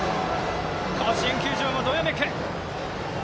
甲子園球場もどよめく。